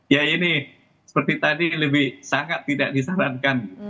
ya ini seperti tadi lebih sangat tidak disarankan